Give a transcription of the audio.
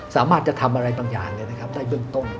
สามารถจะทำอะไรบางอย่างได้ในเบื้องต้น